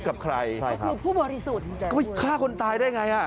ก็ไปฆ่าคนตายได้ไง